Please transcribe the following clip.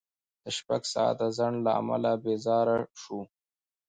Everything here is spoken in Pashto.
د شپږ ساعته ځنډ له امله بېزاره شوو.